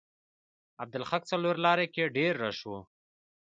عبدالحق څلور لارې کې ډیر رش و.